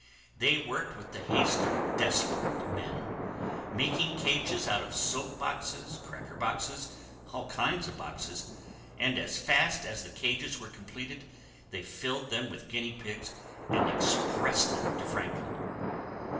They worked with the haste of desperate men, making cages out of soap boxes, cracker boxes, and all kinds of boxes, and as fast as the cages were completed they filled them with guinea pigs and expressed them to Franklin.